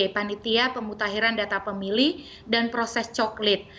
panitia pemutahiran data pemilih dan proses coklit